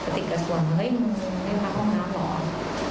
ติดกระสวนเฮ้ยไม่ได้พักห้องน้ำหรอ